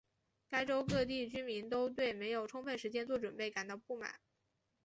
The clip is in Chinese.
该州各地居民都对没有充分时间做准备感到不满。